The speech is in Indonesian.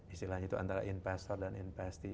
istilahnya itu antara investor dan investasi